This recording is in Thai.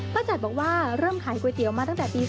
จัดบอกว่าเริ่มขายก๋วยเตี๋ยวมาตั้งแต่ปี๒๕